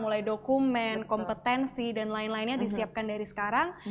mulai dokumen kompetensi dan lain lainnya disiapkan dari sekarang